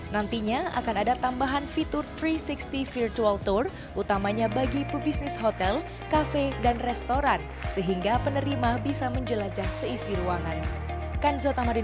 nantinya akan ada tambahan fitur tiga ratus enam puluh virtual tour utamanya bagi pebisnis hotel kafe dan restoran sehingga penerima bisa menjelajah seisi ruangan